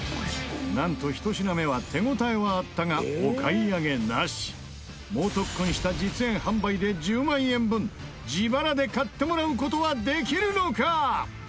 なんと、１品目は手応えはあったがお買い上げなし猛特訓した実演販売で１０万円分自腹で買ってもらう事はできるのか？